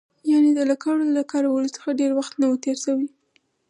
یعنې د لکړو له کارولو څخه ډېر وخت نه و تېر شوی.